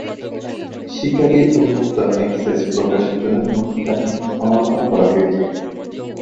শিকারী উন্মুক্ত অ্যাক্সেস প্রকাশের জন্য সংস্থাটির সমালোচনা করা হয়েছে।